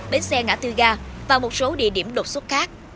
bến xe ngã tư ga và một số địa điểm đột xuất khác